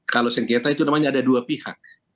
kalau sengketa itu namanya ada dua pihak